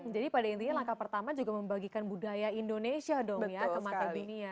jadi pada intinya langkah pertama juga membagikan budaya indonesia dong ya ke mata dunia